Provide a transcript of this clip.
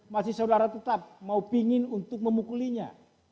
masih saudara tetap mau pingin untuk memukulinya